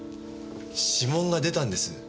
指紋が出たんです。